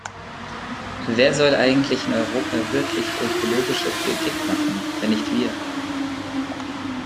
Wer soll eigentlich in Europa wirklich ökologische Politik machen, wenn nicht wir?